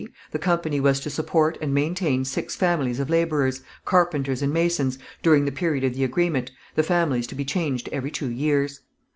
The company was to support and maintain six families of labourers, carpenters and masons, during the period of the agreement, the families to be changed every two years.